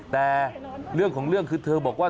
แต่เรื่องของเรื่องคือเธอบอกว่า